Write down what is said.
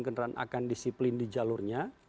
kendaraan akan disiplin di jalurnya